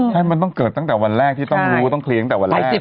ใช่มันต้องเกิดตั้งแต่วันแรกที่ต้องรู้ต้องเคลียร์ตั้งแต่วันแรก